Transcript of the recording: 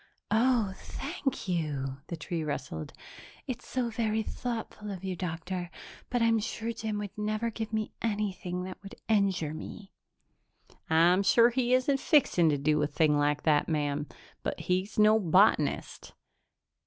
"Oh, thank you!" the tree rustled. "It's so very thoughtful of you, Doctor, but I'm sure Jim would never give me anything that would injure me." "I'm sure he isn't fixing to do a thing like that, ma'am, but he's no botanist."